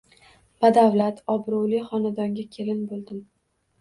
Badavlat, obro`li xonadonga kelin bo`ldim